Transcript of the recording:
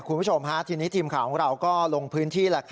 คุณผู้ชมทีนี้ทีมข่าวของเราก็ลงพื้นที่